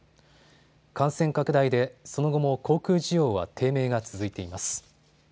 感染拡大で、その後も航空需要は低迷が続いています。